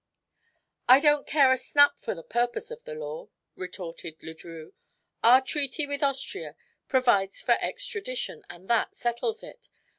"I don't care a snap for the purpose of the law," retorted Le Drieux. "Our treaty with Austria provides for extradition, and that settles it.